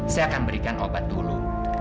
saya akan berikan obat dulu